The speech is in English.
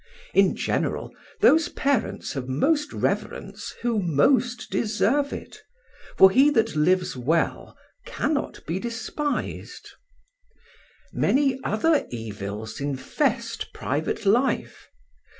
In general, those parents have most reverence who most deserve it, for he that lives well cannot be despised. "Many other evils infest private life.